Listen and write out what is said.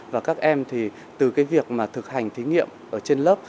và các em thì từ cái việc mà thực hành thí nghiệm ở trên lớp